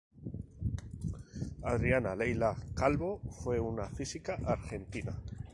Adriana Leila Calvo fue una física argentina.